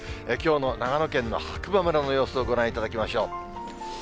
きょうの長野県の白馬村の様子、ご覧いただきましょう。